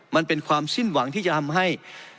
มันเป็นความสิ้นหวังที่จะทำให้